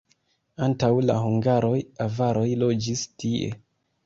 Antaŭ la hungaroj avaroj loĝis tie.